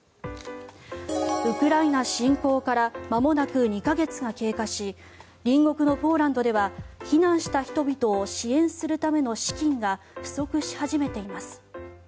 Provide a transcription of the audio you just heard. ウクライナ侵攻からまもなく２か月が経過し隣国のポーランドでは避難した人々を支援するための資金が不足し始めています。